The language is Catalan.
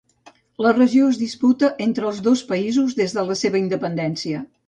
La regió es disputa entre els dos països des de la seva independència.